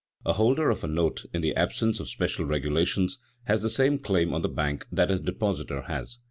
A holder of a note (in the absence of special regulations) has the same claim on the bank that a depositor has.